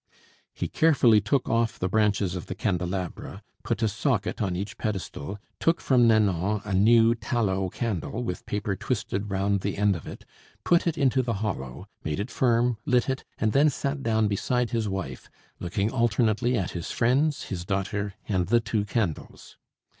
He carefully took off the branches of the candelabra, put a socket on each pedestal, took from Nanon a new tallow candle with paper twisted round the end of it, put it into the hollow, made it firm, lit it, and then sat down beside his wife, looking alternately at his friends, his daughter, and the two candles.